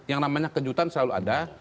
yang namanya kejutan selalu ada